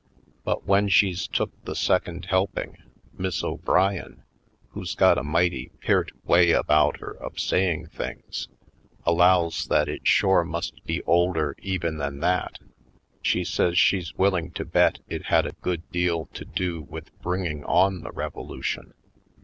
But when she's took the second helping, Miss O'Brien, who's got a mighty peart way about her of saying things, allows that it shore must be older even than that — she says she's willing to bet it had a good deal to do with bringing on the revolution.